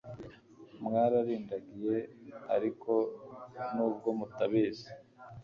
Mwararindagiye ariko nubwo mutabizi